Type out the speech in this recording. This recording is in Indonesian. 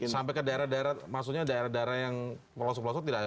sampai ke daerah daerah maksudnya daerah daerah yang melosot losot tidak ada